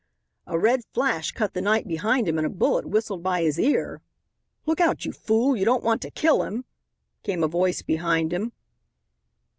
A red flash cut the night behind him and a bullet whistled by his ear. "Look out, you fool, you don't want to kill him," came a voice behind him.